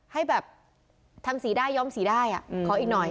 ให้แบบทำสีได้ย้อมสีได้ขออีกหน่อย